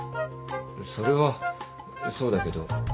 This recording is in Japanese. それはそうだけど。